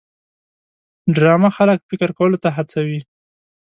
ډرامه خلک فکر کولو ته هڅوي